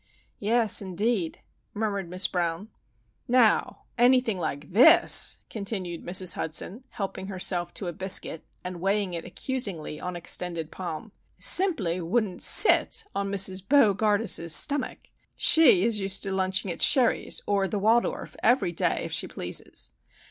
"Yes, indeed," murmured Miss Brown. "Now, anything like this," continued Mrs. Hudson, helping herself to a biscuit and weighing it accusingly on extended palm, "simply wouldn't sit on Mrs. Bo gardus's stummick. She is used to lunching at Sherry's or the Waldorf, every day, if she pleases.